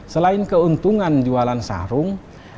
selain keuntungan jualan sarung